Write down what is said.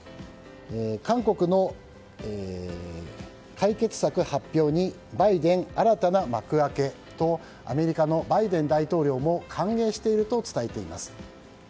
韓国の解決策発表にバイデン新たな幕開けとアメリカのバイデン大統領も歓迎していると伝えています。